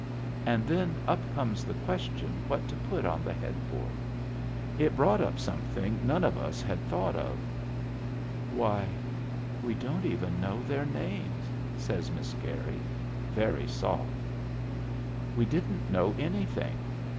And then up comes the question what to put on the headboard? It brought up something none of us had thought of. "Why, we don't even know their names!" says Miss Carey, very soft. We didn't know anything.